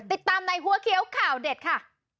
ติดตามในหัวเขียวข่าวเด็ดค่ะ